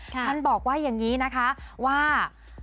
ท่านบอกว่าอย่างนี้นะคะว่า